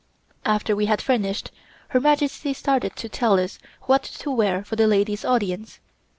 After we had finished, Her Majesty started to tell us what to wear for the ladies' audience.